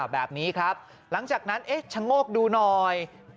แบบนี้ครับหลังจากนั้นเอ๊ะชะโงกดูหน่อย